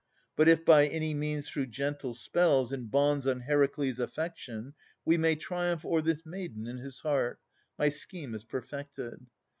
But if by any means through gentle spells And bonds on Heracles' affection, we May triumph o'er this maiden in his heart, My scheme is perfected.